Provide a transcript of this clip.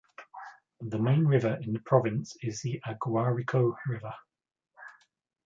The main river in the province is the Aguarico River.